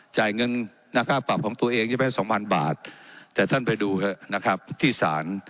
จ่ายเงินหน้าค่าปรับของตัวเองจะเป็นสองพันบาทแต่ท่านไปดูนะครับที่ศาล